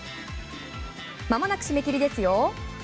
まもなく締め切りですよ。